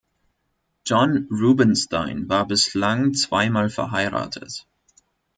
John Rubinstein war bislang zweimal verheiratet.